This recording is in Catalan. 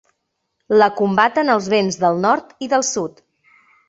La combaten els vents del nord i del sud.